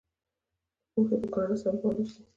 د پوهې په ګاڼه سمبال اوسئ.